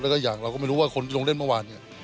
แล้วก็อย่างเราก็ไม่รู้ว่าคนที่ลงเล่นเมื่อวานเนี่ย